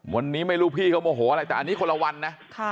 วันนี้ไม่รู้พี่เขาโมโหอะไรแต่อันนี้คนละวันนะ